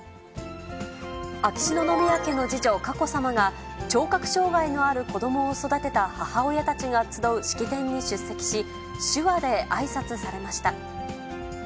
秋篠宮家の次女、佳子さまが、聴覚障がいのある子どもを育てた母親たちが集う式典に出席し、手話であいさつされました。